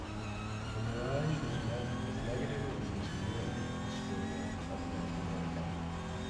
The Mirage was met with negative reviews in Europe, Australia, and North America.